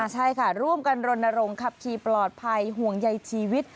ใช่ค่ะร่วมกันรณรงค์ขับขี่ปลอดภัยห่วงใยชีวิต